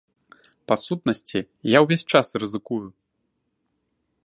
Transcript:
Па сутнасці, я ўвесь час рызыкую.